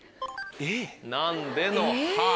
なんで？の「はぁ」